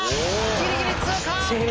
ギリギリ通過！